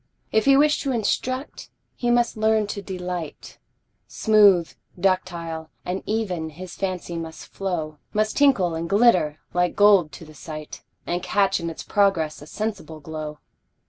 If he wish to instruct, he must learn to delight, Smooth, ductile, and even, his fancy must flow, Must tinkle and glitter like gold to the sight, And catch in its progress a sensible glow.